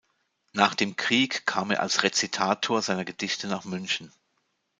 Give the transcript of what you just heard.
Nach dem Krieg kam er als Rezitator seiner Gedichte nach München.